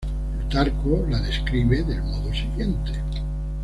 Plutarco la describe del modo siguiente.